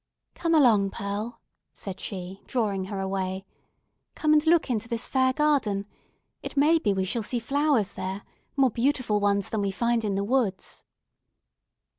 "Come along, Pearl," said she, drawing her away, "Come and look into this fair garden. It may be we shall see flowers there; more beautiful ones than we find in the woods."